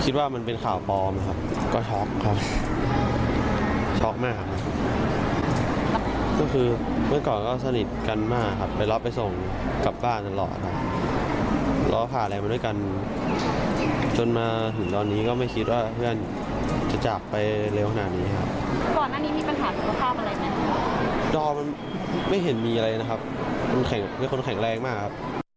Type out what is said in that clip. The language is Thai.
ดอมมันไม่เห็นมีอะไรนะครับมันเป็นคนแข็งแรงมากครับ